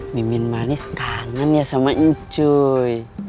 mimin manis kangen ya sama incuy